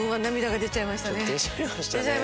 出ちゃいましたね。